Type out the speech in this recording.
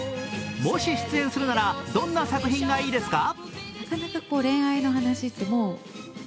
もし出演するなら、どんな作品がいいですか？